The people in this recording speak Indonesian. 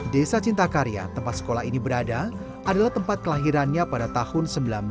desa cintakarya tempat sekolah ini berada adalah tempat kelahirannya pada tahun seribu sembilan ratus sembilan puluh